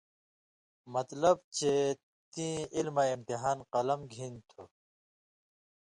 مطلب چے تیں علماں امتحان قلم گِھنیۡ تُھو،